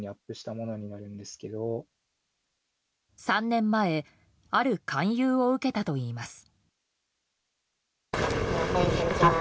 ３年前ある勧誘を受けたといいます。